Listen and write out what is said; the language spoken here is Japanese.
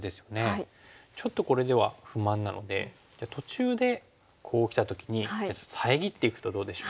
ちょっとこれでは不満なのでじゃあ途中でこうきた時に遮っていくとどうでしょう？